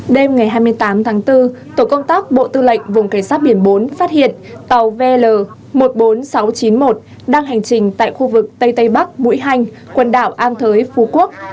đêm ngày hai mươi tám tháng bốn tổ công tác bộ tư lệnh vùng cảnh sát biển bốn phát hiện tàu vl một mươi bốn nghìn sáu trăm chín mươi một đang hành trình tại khu vực tây tây bắc mũi hanh quần đảo an thới phú quốc